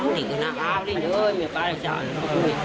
ตอนนี้ก็ไม่มีเวลาให้กลับมาเที่ยวกับเวลา